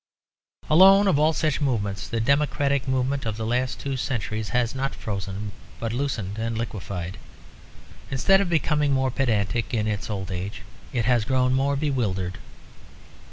Alone of all such movements the democratic movement of the last two centuries has not frozen, but loosened and liquefied. Instead of becoming more pedantic in its old age, it has grown more bewildered.